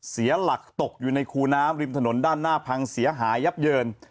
เสียหลักตกอยู่ในคูน้ำริมถนนด้านหน้าพังเสียหายยับเยิน